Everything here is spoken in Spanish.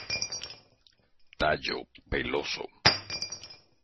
Tallo peloso.